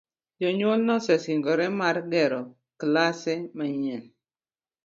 Jonyuol nosesingore mar gero klase manyien.